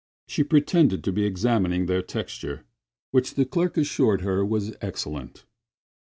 She pretended to be examining their texture, which the clerk assured her was excellent.